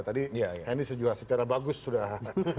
tadi henny juga secara bagus sudah